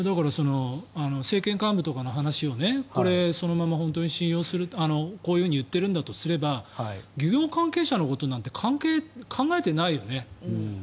政権幹部とかの話をこれ、そのまま信用するとこういうふうに言っているんだとすれば漁業関係者のことなんて考えてないよね。